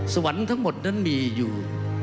สวรรค์ทั้งหมดมีอยู่๕